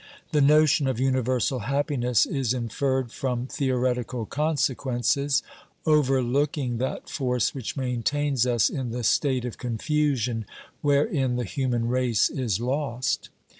The notion of universal happiness is inferred from theoretical consequences, overlooking that force which maintains us in the state of confusion wherein the human race is lost.